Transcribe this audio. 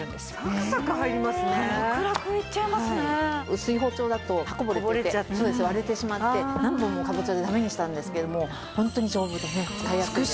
薄い包丁だと刃こぼれっていって割れてしまって何本もカボチャでダメにしたんですけれどもホントに丈夫で使いやすいです。